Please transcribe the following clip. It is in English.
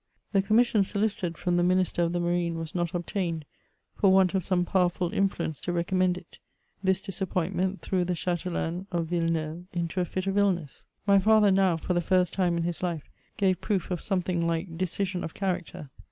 The commission solicited from the Minister of the Marine was not obtained, for Want of some powerful influence to recommend it. This disappointment threw the Chatelaine of Yilleneuye into a fit of illness. My father now, for the first time in his life, gave proof of something like decision of character.